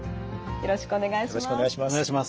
よろしくお願いします。